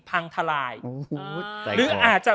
พังทลายหรืออาจจะ